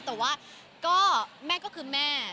แต่ว่าก็แม่ก็คือแม่